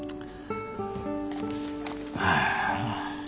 ああ。